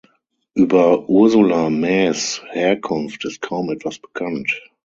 Über Ursula Maes’ Herkunft ist kaum etwas bekannt.